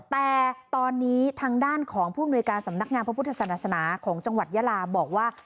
แต่ตอนนี้ทางด้านของผู้อำนวยการสำนักงานพระพุทธศาสนาของจังหวัดยาลาบอกว่า